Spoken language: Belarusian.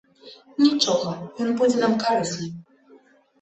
Нічога, ён будзе нам карысны.